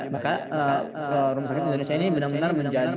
maka rumah sakit indonesia ini benar benar menjadi